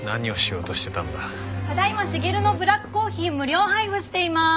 ただ今しげるのブラックコーヒー無料配布していまーす！